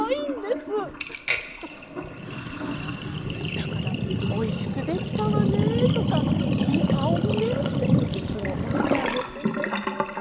だから「おいしくできたわね」とか「いい香りね」っていつも褒めてあげてて。